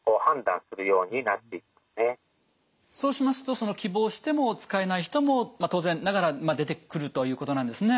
そうしますと希望しても使えない人も当然ながら出てくるということなんですね。